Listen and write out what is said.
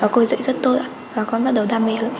cô ấy dạy rất tốt và con bắt đầu đam mê hơn